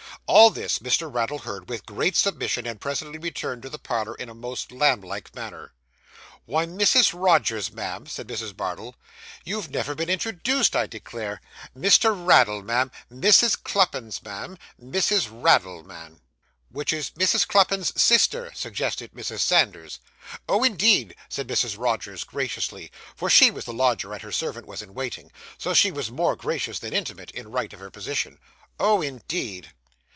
All this, Mr. Raddle heard with great submission, and presently returned to the parlour in a most lamb like manner. 'Why, Mrs. Rogers, ma'am,' said Mrs. Bardell, 'you've never been introduced, I declare! Mr. Raddle, ma'am; Mrs. Cluppins, ma'am; Mrs. Raddle, ma'am.' 'Which is Mrs. Cluppins's sister,' suggested Mrs. Sanders. 'Oh, indeed!' said Mrs. Rogers graciously; for she was the lodger, and her servant was in waiting, so she was more gracious than intimate, in right of her position. 'Oh, indeed!